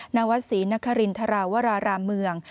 นวัศสีนครินทรวรรามเมือง